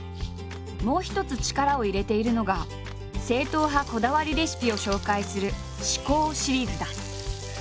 もう一つ力を入れているのが正統派こだわりレシピを紹介する「至高シリーズ」だ。